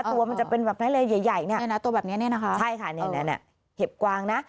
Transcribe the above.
ตัวมันจะเป็นแบบนั้นเลยใหญ่ตัวแบบนี้นะคะใช่ค่ะเห็บกว้างนะ